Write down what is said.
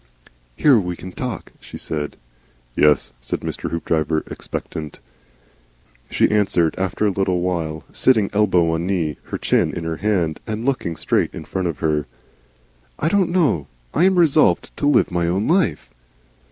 "Here, we can talk," she said. "Yes," said Mr. Hoopdriver, expectant. She answered after a little while, sitting, elbow on knee, with her chin in her hand, and looking straight in front of her. "I don't know I am resolved to Live my Own Life."